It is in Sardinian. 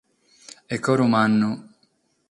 E coro mannu.